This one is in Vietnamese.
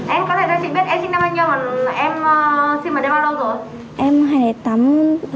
em có thể cho chị biết em sinh năm bao nhiêu em sinh vào đêm bao lâu rồi